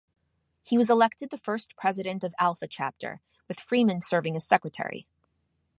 He was elected the first president of Alpha Chapter, with Freeman serving as secretary.